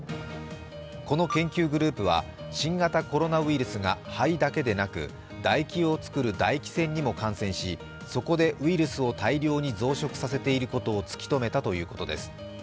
この研究グループは新型コロナウイルスが肺だけでなく唾液を作る唾液腺にも感染しそこでウイルスを大量に増殖させていることを突きとめたということです。